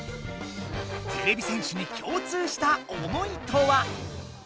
てれび戦士に共通した思いとは？